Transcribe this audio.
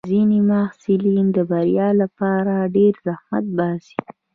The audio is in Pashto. ځینې محصلین د بریا لپاره ډېر زحمت باسي.